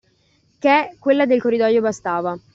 Ché quella del corridoio bastava